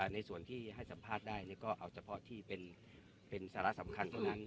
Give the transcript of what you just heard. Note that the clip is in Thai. ในส่วนที่ให้สัมภาษณ์ได้ก็เอาเฉพาะที่เป็นสาระสำคัญเท่านั้น